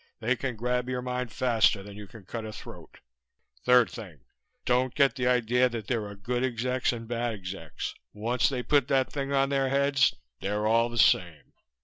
They can grab your mind faster than you can cut a throat. Third thing: Don't get the idea there are good execs and bad execs. Once they put that thing on their heads they're all the same.